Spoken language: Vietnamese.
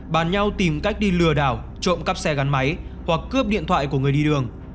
bàn nhau tìm cách đi lừa đảo trộm cắp xe gắn máy hoặc cướp điện thoại của người đi đường